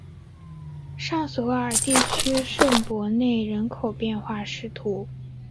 尚索尔地区圣博内人口变化图示